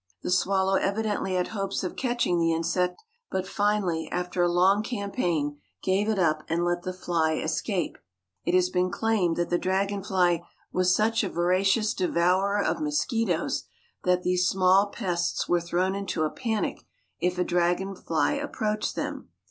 The swallow evidently had hopes of catching the insect, but finally, after a long campaign, gave it up and let the fly escape. It has been claimed that the dragonfly was such a voracious devourer of mosquitoes that these small pests were thrown into a panic if a dragonfly approached them.